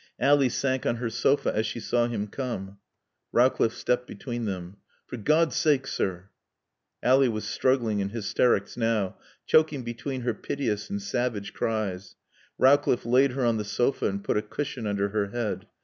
Ally sank on her sofa as she saw him come. Rowcliffe stepped between them. "For God's sake, sir " Ally was struggling in hysterics now, choking between her piteous and savage cries. Rowcliffe laid her on the sofa and put a cushion under her head.